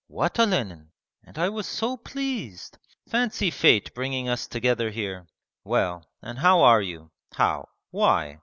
What Olenin? and I was so pleased.... Fancy fate bringing us together here! Well, and how are you? How? Why?'